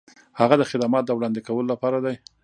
هغه د خدماتو د وړاندې کولو لپاره دی.